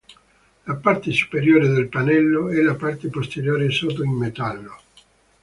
La parte superiore del pannello e la parte posteriore sono in metallo.